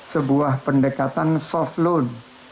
sebuah pendekatan soft loan